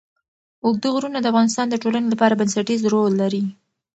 اوږده غرونه د افغانستان د ټولنې لپاره بنسټيز رول لري.